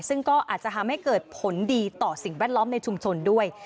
ซึ่งก็อาจจะทำให้เกิดผลดีต่อสิ่งแวดล้อมในชุมชนด้วย